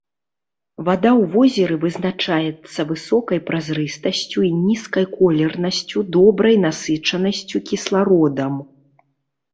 Вада ў возеры вызначаецца высокай празрыстасцю і нізкай колернасцю, добрай насычанасцю кіслародам.